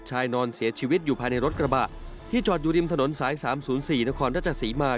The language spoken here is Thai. นอนเสียชีวิตอยู่ภายในรถกระบะที่จอดอยู่ริมถนนสาย๓๐๔นครราชสีมา